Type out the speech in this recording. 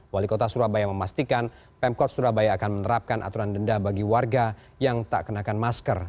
wali kota surabaya memastikan pemkot surabaya akan menerapkan aturan denda bagi warga yang tak kenakan masker